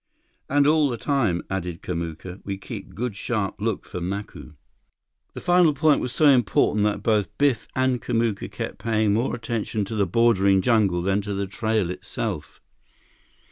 "And all the time," added Kamuka, "we keep good sharp look for Macu!" That final point was so important that both Biff and Kamuka kept paying more attention to the bordering jungle than to the trail itself.